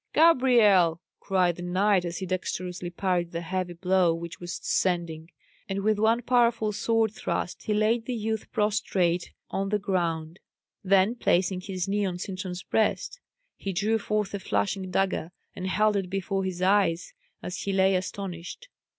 "Gabrielle!" cried the knight, as he dexterously parried the heavy blow which was descending, and with one powerful sword thrust he laid the youth prostrate on the ground; then placing his knee on Sintram's breast, he drew forth a flashing dagger, and held it before his eyes as he lay astonished.